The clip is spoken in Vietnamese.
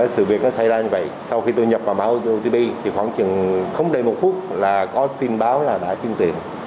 sự việc nó xảy ra như vậy sau khi tôi nhập vào mã otp thì khoảng chừng không đầy một phút là có tin báo là đã chuyên tiền